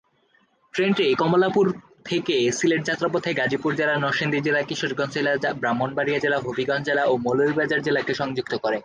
ট্রেনটি কমলাপুর থেকে সিলেট যাত্রাপথে গাজীপুর জেলা, নরসিংদী জেলা, কিশোরগঞ্জ জেলা, ব্রাহ্মণবাড়িয়া জেলা হবিগঞ্জ জেলা ও মৌলভীবাজার জেলাকে সংযুক্ত করে।